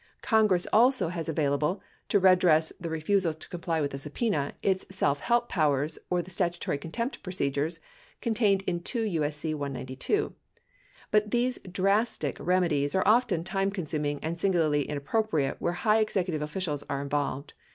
Congress also has available, to redress the re fusal to comply with a subpena, its self help powers or the statutory contempt procedures contained in 2 U.S.C. 192, but these drastic remedies are often time consuming and singularly inappropriate where high executive officials are involved.